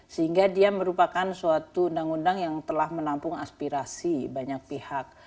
sehingga dia merupakan suatu undang undang yang telah menampung aspirasi banyak pihak